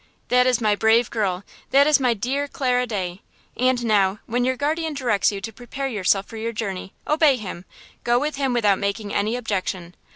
"That is my brave girl! That is my dear Clara Day! And now, when your guardian directs you to prepare yourself for your journey, obey him–go with him without making any objection.